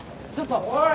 おい！